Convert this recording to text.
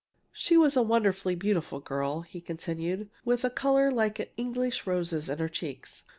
"She was a wonderfully beautiful girl," he continued, "with a color like English roses in her cheeks.